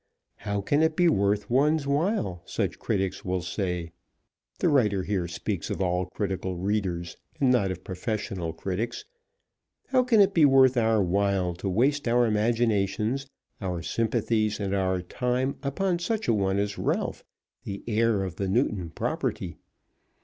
How can it be worth one's while, such critics will say, the writer here speaks of all critical readers, and not of professional critics, how can it be worth our while to waste our imaginations, our sympathies, and our time upon such a one as Ralph, the heir of the Newton property?